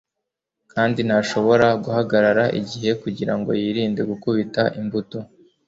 kandi ntashobora guhagarara igihe kugirango yirinde gukubita imbuto .